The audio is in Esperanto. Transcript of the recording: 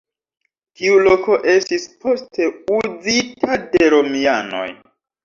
Tiu loko estis poste uzita de romianoj.